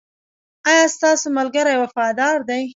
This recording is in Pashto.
ایا ستاسو ملګري وفادار دي؟